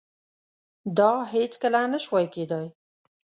دا هیڅکله نشوای کېدای.